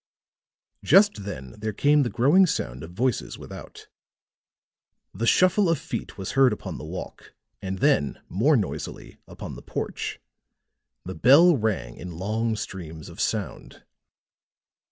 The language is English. Just then there came the growing sound of voices without; the shuffle of feet was heard upon the walk and then more noisily upon the porch. The bell rang in long streams of sound.